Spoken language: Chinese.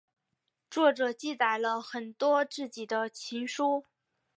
作者记载了很多自己的奏疏。